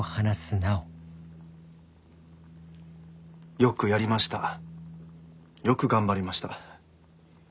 「よくやりましたよく頑張りました」。